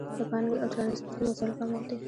د پانګې او ترانسپورتي وسایلو کمښت دی.